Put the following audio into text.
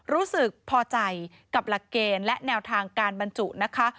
รู้สึกพอใจกับหลักเกณฑ์และแนวทางการบรรจุนะคะ